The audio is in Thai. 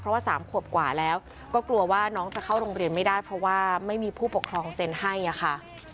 เพราะว่า๓ขวบกว่าแล้วก็กลัวว่าน้องจะเข้าโรงเรียนไม่ได้เพราะว่าไม่มีผู้ปกครองเซ็นให้ค่ะ